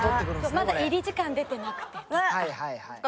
まだ入り時間出てなくてとか。